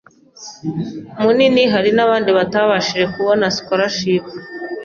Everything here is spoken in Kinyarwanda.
munini hari n’abandi batabashije kubona scholarship